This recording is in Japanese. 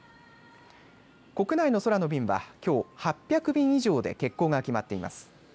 国内の空の便はきょう８００便以上で欠航が決まっています。